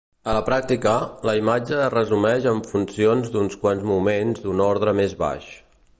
A la pràctica, la imatge es resumeix amb funcions d'uns quants moments d'un ordre més baix.